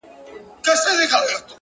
هره هڅه د راتلونکي تخم دی،